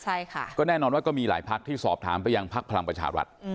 ใช่ค่ะก็แน่นอนว่าก็มีหลายภาคที่สอบถามไปอย่างภักดิ์พลังปัชหรัฐ